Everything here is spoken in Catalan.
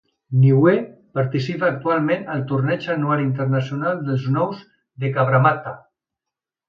Niue participa actualment al torneig anual internacional dels Nous de Cabramatta.